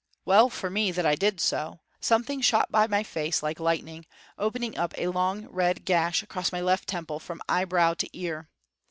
Well for me that I did so. Something shot by my face like lightning, opening up a long red gash across my left temple from eye brow to ear.